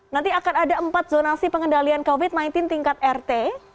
nanti akan ada empat zonasi pengendalian covid sembilan belas tingkat rt